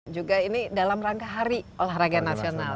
juga ini dalam rangka hari olahraga nasional